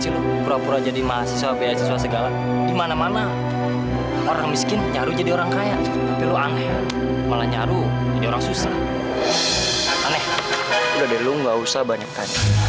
lo pergi sana